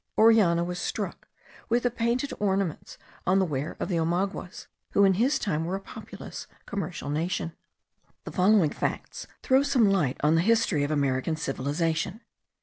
Orellana was struck with the painted ornaments on the ware of the Omaguas, who in his time were a populous commercial nation. The following facts throw some light on the history of American civilization.